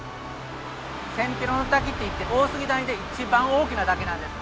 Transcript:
千尋の滝といって大杉谷で一番大きな滝なんです。